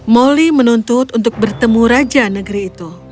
moli menuntut untuk bertemu raja negeri itu